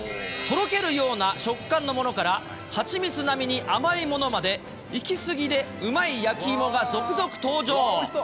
とろけるような食感のものから、蜂蜜並みに甘いものまで、いきすぎでうまい焼きいもが続々登場。